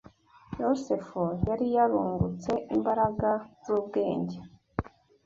Yosefu yari yarungutse imbaraga z’ubwenge